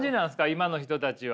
今の人たちは。